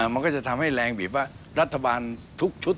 มันก็จะทำให้แรงบีบว่ารัฐบาลทุกชุด